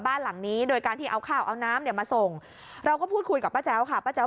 บทัศน์ลูกของป้าสามลีญาสมลีมีอาการป่วยทางประสาท